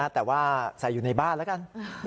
แต่ว่าใส่อยู่ในบ้านแล้วกัน